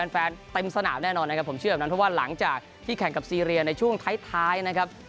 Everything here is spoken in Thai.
แฟนเต็มสนามแน่นอนนะครับผมเชื่อแบบนั้นเพราะว่าหลังจากที่แข่งกับซีเรียในช่วงท้ายนะครับ